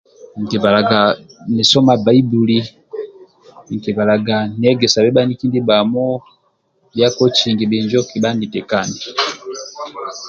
Nkibalaga ni soma Bbaibbuli nkibalaga niegesabe bhaniki ndibhamo bhia kocingi bhinjo kabha nini tekani